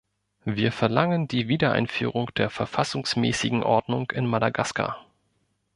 Wir verlangen die Wiedereinführung der verfassungsmäßigen Ordnung in Madagaskar.